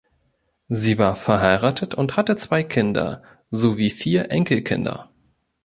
Sie war verheiratet und hatte zwei Kinder sowie vier Enkelkinder.